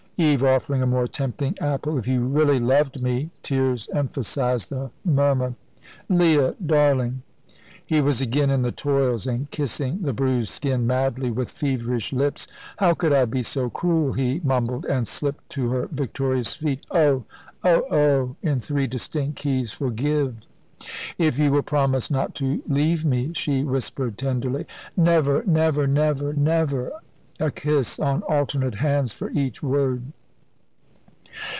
Eve offered a more tempting apple. "If you really loved me" tears emphasised the murmur. "Leah darling!" He was again in the toils, and kissing the bruised skin madly, with feverish lips. "How could I be so cruel?" he mumbled, and slipped to her victorious feet. "Oh! oh! oh!" in three distinct keys. "Forgive." "If you will promise not to leave me," she whispered tenderly. "Never! never! never! never!" a kiss on alternate hands for each word.